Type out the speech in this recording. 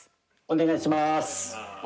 お願いします。